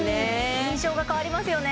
印象が変わりますよね